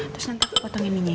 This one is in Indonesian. terus nanti aku potong ini ya